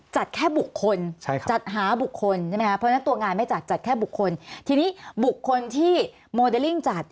จัดแค่บุคคลใช่ครับจัดหาบุคคลใช่ไหมครับเพราะฉะนั้นตัวงานไม่จัดจัดแค่บุคคล